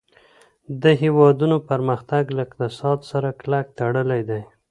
د هېوادونو پرمختګ له اقتصاد سره کلک تړلی دی.